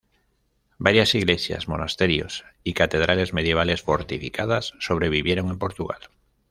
Varias iglesias, monasterios y catedrales medievales fortificadas sobrevivieron en Portugal.